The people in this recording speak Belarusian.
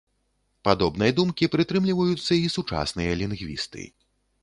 Падобнай думкі прытрымліваюцца і сучасныя лінгвісты.